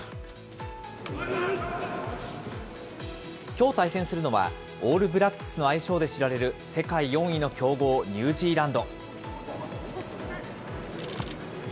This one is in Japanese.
きょう対戦するのは、オールブラックスの愛称で知られる世界４位の強豪、ニュージーランド。